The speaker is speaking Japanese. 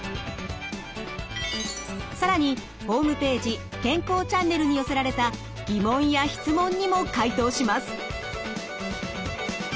更にホームページ「健康チャンネル」に寄せられた疑問や質問にも回答します。